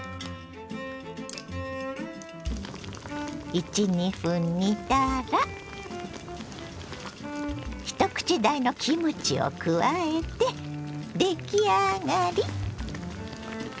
１２分煮たら一口大のキムチを加えて出来上がり！